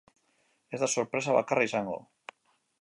Ez da sorpresa bakarra izango.